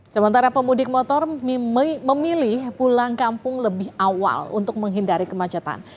sementara pemudik motor memilih pulang kampung lebih awal untuk menghindari kemacetan